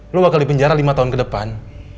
lo bakal dipenjara lima tahun ke depan